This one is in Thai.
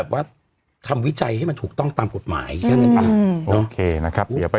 วัดทำวิจัยให้มันถูกต้องตามกฎหมายอืมโอเคนะครับเดี๋ยวไป